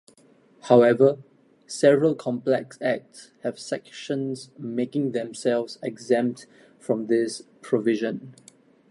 However, several complex acts have sections making themselves exempt from this provision.